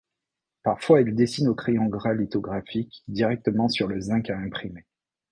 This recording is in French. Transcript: Parfois il dessine au crayon gras lithographique directement sur le zinc à imprimer.